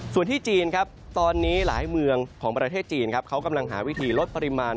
ส่วนที่จีนครับตอนนี้หลายเมืองของประเทศจีนครับเขากำลังหาวิธีลดปริมาณ